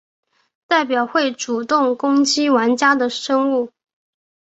代表会主动攻击玩家的生物。